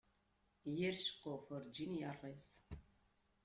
Yir ceqquf werǧin iṛṛiẓ.